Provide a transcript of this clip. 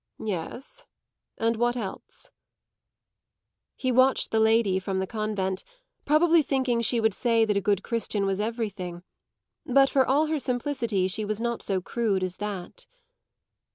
"Yes, and what else?" He watched the lady from the convent, probably thinking she would say that a good Christian was everything; but for all her simplicity she was not so crude as that.